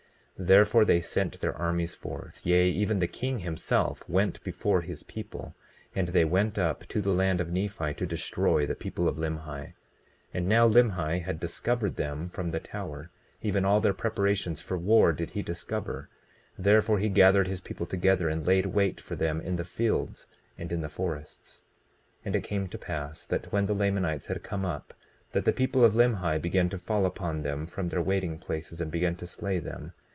20:7 Therefore they sent their armies forth; yea, even the king himself went before his people; and they went up to the land of Nephi to destroy the people of Limhi. 20:8 And now Limhi had discovered them from the tower, even all their preparations for war did he discover; therefore he gathered his people together, and laid wait for them in the fields and in the forests. 20:9 And it came to pass that when the Lamanites had come up, that the people of Limhi began to fall upon them from their waiting places, and began to slay them.